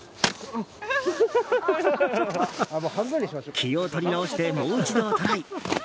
気を取り直してもう一度トライ。